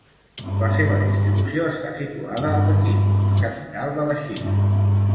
La seva distribució està situada a Pequín, la capital de la Xina.